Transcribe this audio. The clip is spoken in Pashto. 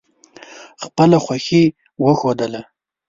خپله خوښي وښودله.